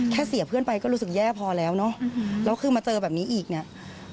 แค่เสียเพื่อนไปก็รู้สึกแย่พอแล้วเนอะแล้วคือมาเจอแบบนี้อีกเนี่ย